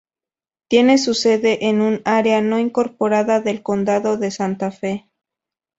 Tiene su sede en un área no incorporada del Condado de Santa Fe.